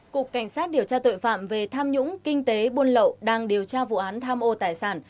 cục cảnh sát điều tra tội phạm về tham nhũng kinh tế buôn lậu đang điều tra vụ án tham ô tài sản